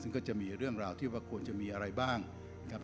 ซึ่งก็จะมีเรื่องราวที่ว่าควรจะมีอะไรบ้างครับ